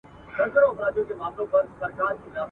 ګل سرخ ته تر مزاره چي رانه سې ,